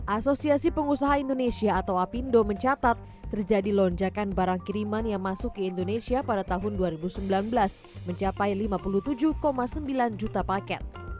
asosiasi pengusaha indonesia atau apindo mencatat terjadi lonjakan barang kiriman yang masuk ke indonesia pada tahun dua ribu sembilan belas mencapai lima puluh tujuh sembilan juta paket